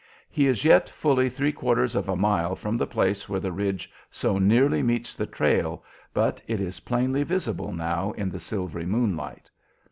He is yet fully three quarters of a mile from the place where the ridge so nearly meets the trail, but it is plainly visible now in the silvery moonlight.